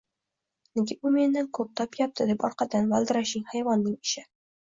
nega u mendan ko‘p topyati deb orqadan valdirashing hayvonning ishi.